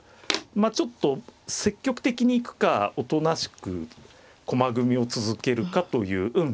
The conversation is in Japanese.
まあちょっと積極的に行くかおとなしく駒組みを続けるかという。